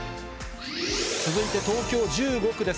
続いて、東京１５区です。